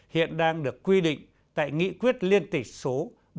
hiện đang được quy định tại nghị quyết liên tịch số bốn trăm linh ba hai nghìn một mươi bảy